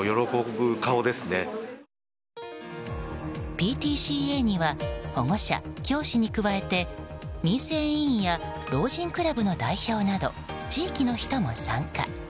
ＰＴＣＡには保護者、教師に加えて民生委員や老人クラブの代表など地域の人も参加。